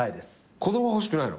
子供は欲しくないの？